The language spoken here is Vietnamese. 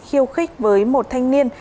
khiêu khích với một thanh niên